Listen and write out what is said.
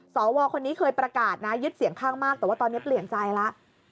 สวคนนี้เคยประกาศนะยึดเสียงข้างมากแต่ว่าตอนนี้เปลี่ยนใจแล้ว